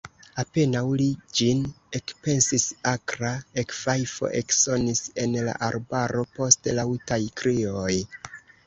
Apenaŭ li ĝin ekpensis, akra ekfajfo eksonis en la arbaro, poste laŭtaj krioj.